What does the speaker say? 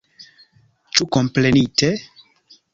Ĉu komprenite?